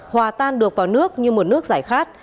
hòa tan được vào nước như một nước giải khát